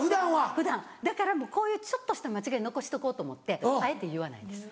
普段だからもうこういうちょっとした間違い残しとこうと思ってあえて言わないんです